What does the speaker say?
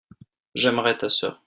j'aimerai ta sœur.